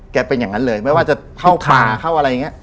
เป็นอย่างนั้นเลยไม่ว่าจะเข้าป่าเข้าอะไรอย่างนี้